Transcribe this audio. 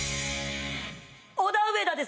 オダウエダです